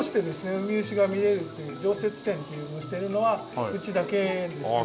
ウミウシが見れるっていう常設展っていうのをしてるのはうちだけですので。